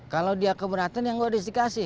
kalau dia keberatan ya gak disikasi